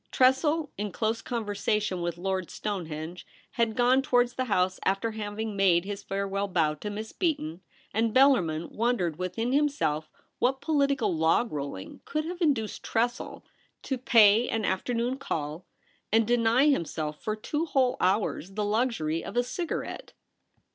Tressel, in close conversa tion with Lord Stonehenge, had gone towards the house after having made his farewell bow to Miss Beaton, and Bellarmin wondered within himself what political log rolling could have induced Tressel to pay an afternoon call and deny himself for two whole hours the luxury of a cigarette.